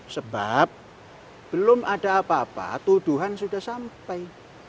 sebab belum ada apa apa tuduhan sudah sampai